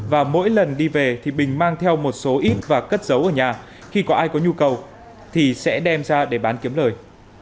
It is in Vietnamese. và mỗi lần đi về thì bình mang theo một số ít và cất giấu ở nhà khi có ai có nhu cầu thì sẽ đem ra để bán kiếm lời